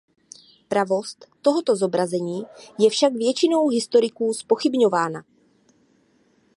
Pravost tohoto zobrazení je však většinou historiků zpochybňována.